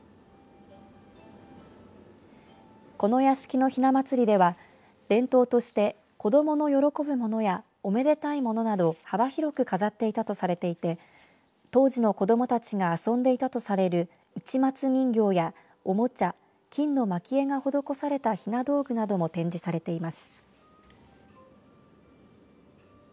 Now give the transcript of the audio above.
この屋敷のひなまつりでは伝統として子どもの喜ぶものやおめでたいものなど幅広く飾っていたとされていて当時の子どもたちが遊んでいたとされる市松人形やおもちゃ、金のまき絵が施されたひな道具なども展示されています。